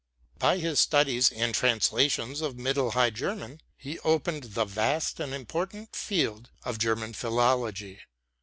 By his studies and translations of Middle High German, he opened the vast and important field of Germanic philology.